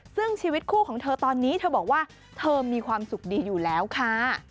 ซึ่งชีวิตคู่ของเธอตอนนี้เธอบอกว่าเธอมีความสุขดีอยู่แล้วค่ะ